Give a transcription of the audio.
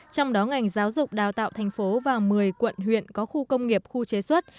trong đó ngành giáo dục đào tạo thành phố và một mươi quận huyện có khu công nghiệp khu chế xuất